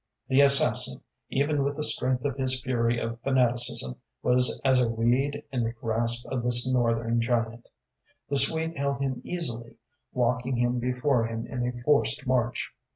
The assassin, even with the strength of his fury of fanaticism, was as a reed in the grasp of this Northern giant. The Swede held him easily, walking him before him in a forced march.